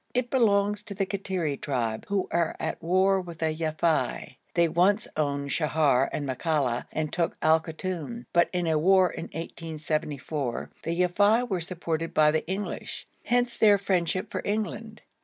It belongs to the Kattiri tribe, who are at war with the Yafei. They once owned Sheher and Makalla and took Al Koton, but in a war in 1874 the Yafei were supported by the English; hence their friendship for England.